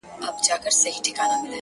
دا سپك هنر نه دى چي څوك يې پــټ كړي.!